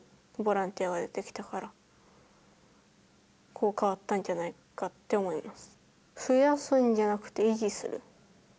こう変わったんじゃないかって思います。